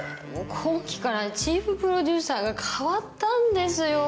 今期からチーフプロデューサーが代わったんですよ。